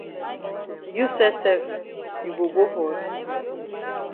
You sef sef you go go for hospital.